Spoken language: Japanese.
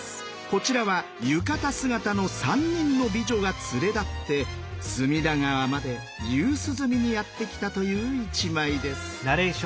こちらは浴衣姿の３人の美女が連れ立って隅田川まで夕涼みにやって来たという一枚です。